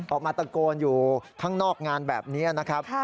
ออกมาตะโกนอยู่ข้างนอกงานแบบนี้นะครับ